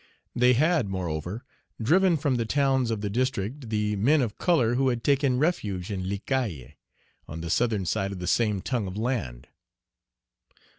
They had, moreover, driven from the towns of the district the men of color who had taken refuge in Les Cayes, on the southern side of the same tongue of land.